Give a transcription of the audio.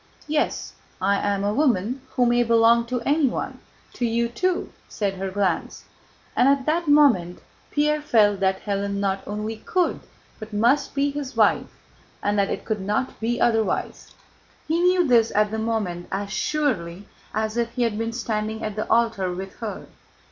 Yes, I am a woman who may belong to anyone—to you too," said her glance. And at that moment Pierre felt that Hélène not only could, but must, be his wife, and that it could not be otherwise. He knew this at that moment as surely as if he had been standing at the altar with her.